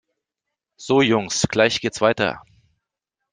So Jungs, gleich geht's weiter!